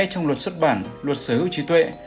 trong luật xuất bản luật sở hữu trí tuệ